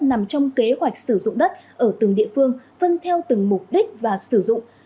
nằm trong kế hoạch sử dụng đất ở từng địa phương phân theo từng mục đích và sử dụng